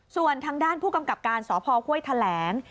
ส่วนทางด้านผู้กำกับการสพห้วยแถลง